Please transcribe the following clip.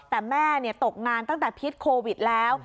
แต่แม่ตกงานตั้งแต่พิษโควิดแล้ว